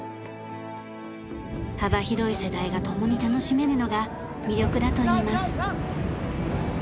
幅広い世代が共に楽しめるのが魅力だといいます。